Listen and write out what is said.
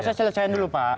saya selesaikan dulu pak